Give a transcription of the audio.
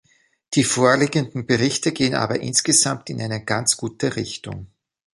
Die vorliegenden Berichte gehen aber insgesamt in eine ganz gute Richtung.